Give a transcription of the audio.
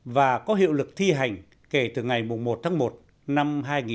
và có hiệu lực thi hành kể từ ngày một tháng một năm hai nghìn một mươi chín